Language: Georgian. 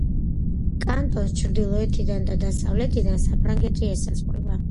კანტონს ჩრდილოეთიდან და დასავლეთიდან საფრანგეთი ესაზღვრება.